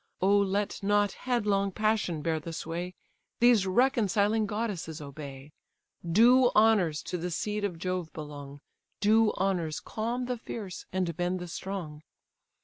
O let not headlong passion bear the sway These reconciling goddesses obey: Due honours to the seed of Jove belong, Due honours calm the fierce, and bend the strong.